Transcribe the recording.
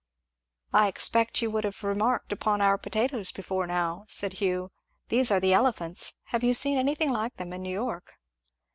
"I expected you would have remarked upon our potatoes, before now," said Hugh. "These are the Elephants have you seen anything like them in New York?"